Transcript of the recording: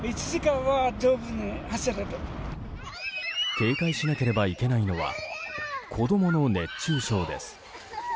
警戒しなければいけないのは子供の熱中症です。